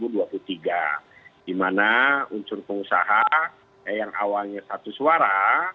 di mana unsur pengusaha yang awalnya satu suara